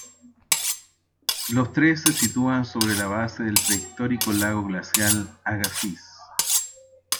Los tres se sitúan sobre la base del prehistórico lago glacial Agassiz.